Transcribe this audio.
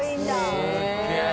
すっげえ！